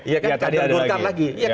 ya tadi ada lagi